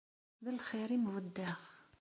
D lxir i m-buddeɣ.